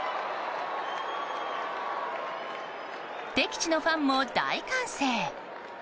敵地のファンも大歓声。